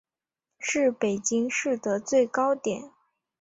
是北京市的最高点。